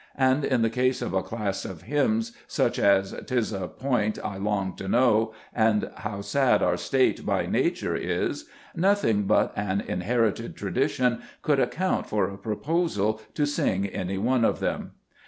And in the case of a class of hymns, such as " 'Tis a point I long to know " and " How sad our state by nature is," nothing but an inherited tradition could account for a proposal to sing any one of them.